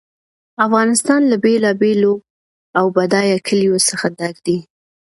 افغانستان له بېلابېلو او بډایه کلیو څخه ډک دی.